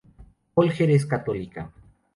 Bolger es católica.